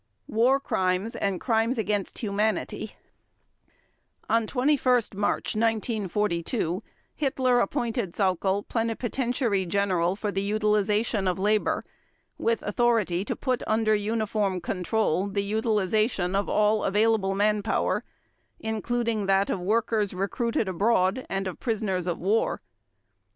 War Crimes and Crimes against Humanity On 21 March 1942 Hitler appointed Sauckel Plenipotentiary General for the Utilization of Labor, with authority to put under uniform control "the utilization of all available manpower, including that of workers recruited abroad and of prisoners of war".